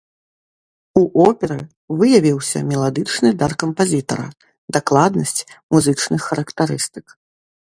У оперы выявіўся меладычны дар кампазітара, дакладнасць музычных характарыстык.